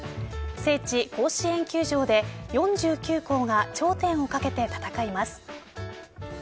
聖地・甲子園球場で４９校が頂点をかけて戦います。